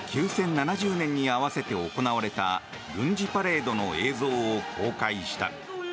７０年に合わせて行われた軍事パレードの映像を公開した。